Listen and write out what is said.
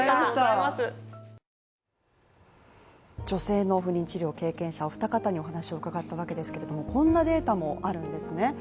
女性の不妊治療、経験者お二方にお話を伺ったわけですがこんなデータもあるんですね。